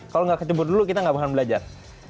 kalau nggak kecebur dulu kita nggak akan belajar